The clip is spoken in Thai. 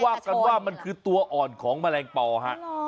ว่ากันว่ามันคือตัวอ่อนของแมลงปอฮะ